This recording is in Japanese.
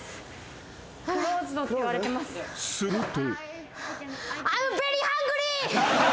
［すると］